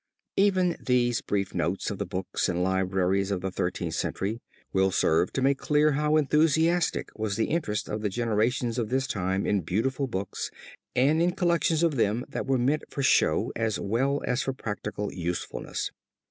Even these brief notes of the books and libraries of the Thirteenth Century, will serve to make clear how enthusiastic was the interest of the generations of this time in beautiful books and in collections of them that were meant for show as well as for practical usefulness.